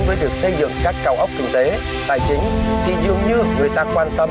với việc xây dựng các cao ốc kinh tế tài chính thì dường như người ta quan tâm